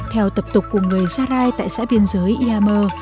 theo tập tục của người sarai tại xã biên giới ia mơ